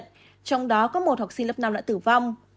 trong đó có một học sinh lớp năm đã tử vong